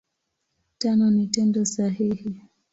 Tano ni Tendo sahihi.